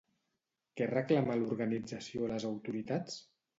Què reclama l'organització a les autoritats?